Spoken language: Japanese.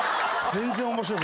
全然面白くない。